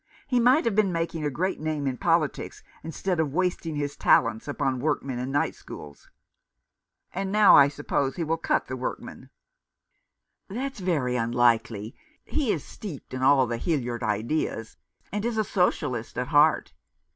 He might have been making a great name in politics instead of wasting his talents upon workmen and night schools." "And now I suppose he will cut the work men ?" 257 s Rough Justice. " That's very unlikely. He is steeped in all the Hildyard ideas, and is a Socialist at heart.